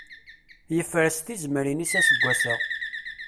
Yefres tizemmrin-is aseggas-a.